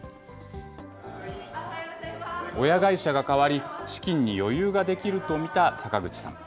親会社が代わり、資金に余裕ができると見た坂口さん。